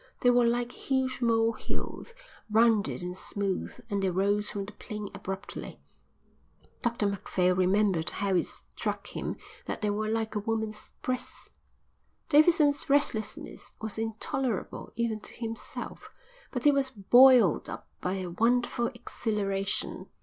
They were like huge mole hills, rounded and smooth, and they rose from the plain abruptly. Dr Macphail remembered how it struck him that they were like a woman's breasts. Davidson's restlessness was intolerable even to himself. But he was buoyed up by a wonderful exhilaration.